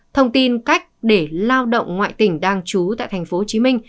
thông tin cách để lao động ngoại tỉnh đang chú tại tp hcm